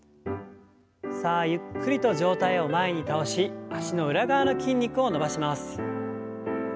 さあゆっくりと上体を前に倒し脚の裏側の筋肉を伸ばします。